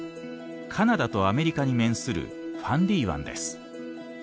カナダとアメリカに面するファンディ湾です。